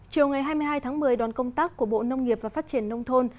chiều ngày hai mươi hai tháng một mươi đoàn công tác của bộ nông nghiệp và phát triển nông thôn